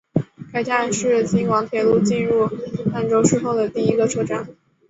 该站是京广铁路进入郴州市后的第一个车站。